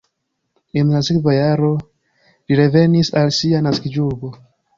En la sekva jaro li revenis al sia naskiĝurbo.